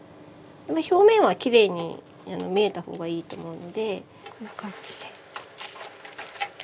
表面はきれいに見えた方がいいと思うのでこんな感じで。